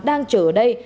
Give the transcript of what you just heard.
đang chở ở đây